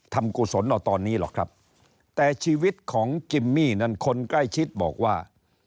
กุศลเอาตอนนี้หรอกครับแต่ชีวิตของจิมมี่นั้นคนใกล้ชิดบอกว่า